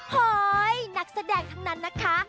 เฮ้ยนักแสดงทั้งนั้นนะคะ